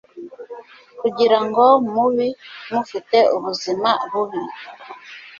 kugira ngo mubi mufite ubuzima bubi